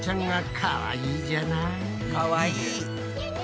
かわいい。